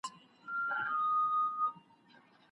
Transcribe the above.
دا روڼوونی دی خو د نوم څخه يې معلومېږي چي اله ده .